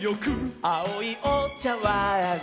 「あおいおちゃわん」